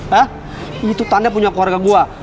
hah itu tanah punya keluarga gue